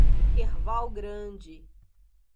Erval Grande